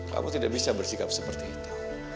kamu tidak bisa bersikap seperti itu